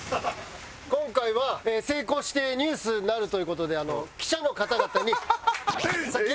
今回は成功してニュースになるという事で記者の方々に先に来ていただきました。